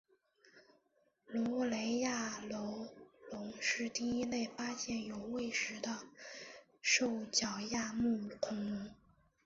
卢雷亚楼龙是第一类发现有胃石的兽脚亚目恐龙。